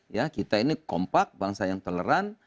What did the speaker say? ya kita ini kompak bangsa yang toleran